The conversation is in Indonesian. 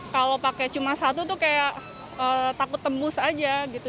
kalau pakai cuma satu tuh kayak takut tembus aja gitu